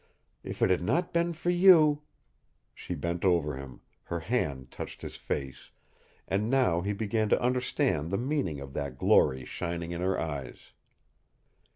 If it had not been for you " She bent over him. Her hand touched his face, and now he began to understand the meaning of that glory shining in her eyes.